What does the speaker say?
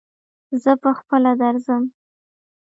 زه په خپله درځم